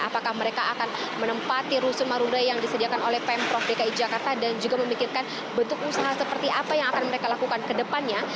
apakah mereka akan menempati rusun marunda yang disediakan oleh pemprov dki jakarta dan juga memikirkan bentuk usaha seperti apa yang akan mereka lakukan ke depannya